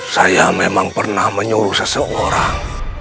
saya memang pernah menyuruh seseorang